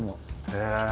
へえ。